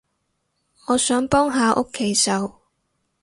我想幫下屋企手